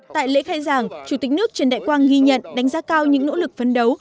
tại lễ khai giảng chủ tịch nước trần đại quang ghi nhận đánh giá cao những nỗ lực phấn đấu